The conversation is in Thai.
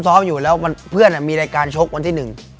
ซ้อมอยู่แล้วเพื่อนมีรายการชกวันที่หนึ่ง